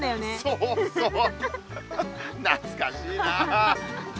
そうそうなつかしいな。